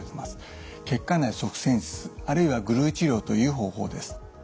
血管内塞栓術あるいはグルー治療という方法です。